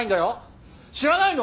知らないの？